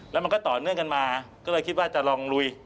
แล้วมันก็ต่อเนื่องกันมาก็เลยคิดว่าจะลองลุย